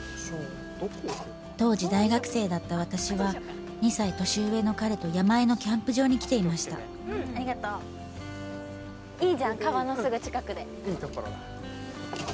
当時大学生だった私は２歳年上の彼と山あいのキャンプ場に来ていましたいいじゃん川のすぐ近くでいいところだ